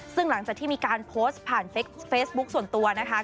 ซึ่งหลังจากที่มีการโพสต์ผ่านเฟซบุ๊คส่วนตัวนะคะ